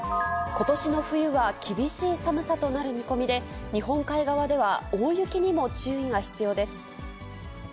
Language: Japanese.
ことしの冬は厳しい寒さとなる見込みで、日本海側では大雪にも注意が必要です。